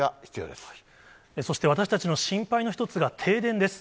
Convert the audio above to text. そして、私たちの心配の一つが停電です。